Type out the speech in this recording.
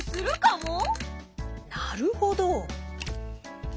なるほど。